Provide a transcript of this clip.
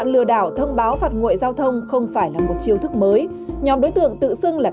nhóm đối tượng tự xưng là cảnh sát giao thông sẽ thông báo